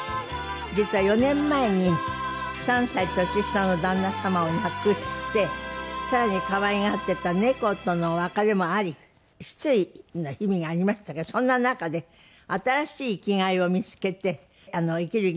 実は４年前に３歳年下の旦那様を亡くしてさらに可愛がっていた猫との別れもあり失意の日々がありましたがそんな中で新しい生きがいを見つけて生きる元気が出てきたそうで。